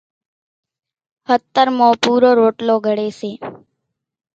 ۿترمون پُورو روٽلو گھڙي سي